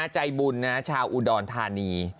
ใจบุญนะชาวอุดรธานี